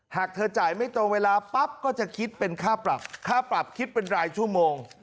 หากเธอจ่ายไม่ตรงเวลาปั๊บก็จะคิดเป็นค่าปรับค่าปรับคิดเป็นรายชั่วโมง